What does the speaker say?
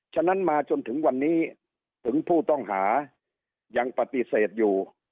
ฉะนั้นมาจนถึงวันนี้ถึงผู้ต้องหายังปฏิเสธอยู่